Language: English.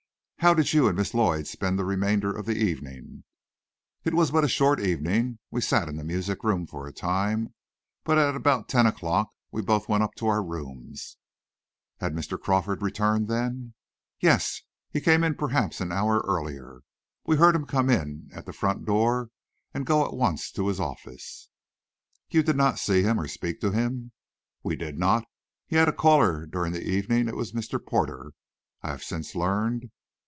"How did you and Miss Lloyd spend the remainder of the evening?" "It was but a short evening. We sat in the music room for a time, but at about ten o'clock we both went up to our rooms." "Had Mr. Crawford returned then?" "Yes, he came in perhaps an hour earlier. We heard him come in at the front door, and go at once to his office." "You did not see him, or speak to him?" "We did not. He had a caller during the evening. It was Mr. Porter, I have since learned."